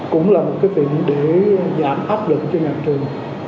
cũng là một cái việc để giảm áp lực cho nhà trường